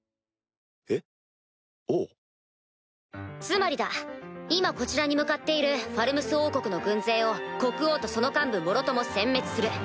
つまりだ今こちらに向かっているファルムス王国の軍勢を国王とその幹部もろとも殲滅する。